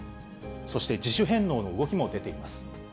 そして自主返納の動きも出ています。